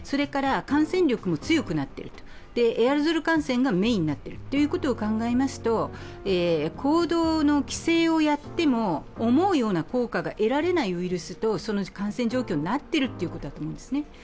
感染力も強くなっている、エアロゾル感染がメーンになっているということを考えますと行動の規制をやっても思うような効果が得られないウイルスとその感染状況になっているということだと思うんですね。